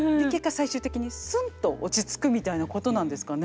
最終的にスンと落ち着くみたいなことなんですかね。